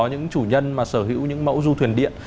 những chủ nhân mà sở hữu những mẫu du thuyền điện